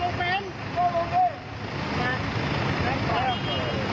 เยี่ยมมากครับ